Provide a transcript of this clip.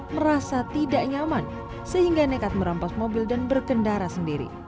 merasa tidak nyaman sehingga nekat merampas mobil dan berkendara sendiri